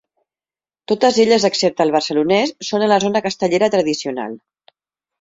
Totes elles excepte el Barcelonès són a la zona castellera tradicional.